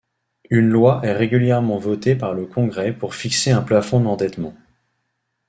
Une loi est régulièrement votée par le congrès pour fixer un plafond d'endettement.